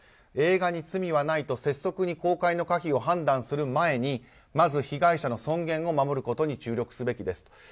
映画に罪はないと節足に公開の可否を判断する前にまず被害者の尊厳を守ることに注力すべきです。